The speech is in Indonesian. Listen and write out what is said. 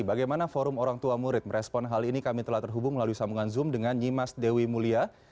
bagaimana forum orang tua murid merespon hal ini kami telah terhubung melalui sambungan zoom dengan nyimas dewi mulia